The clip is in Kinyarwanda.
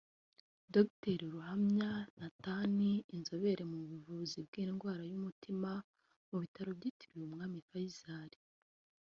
Dr Ruhamya Nathan inzobere mu buvuzi bw’indwara y’umutima mu bitaro byitiriwe Umwami Faisal